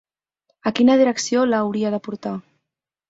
A quina direcció la hauria de portar?